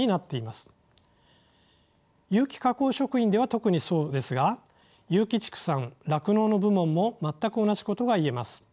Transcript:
有機加工食品では特にそうですが有機畜産酪農の部門も全く同じことが言えます。